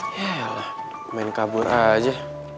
ya lah main kabur aja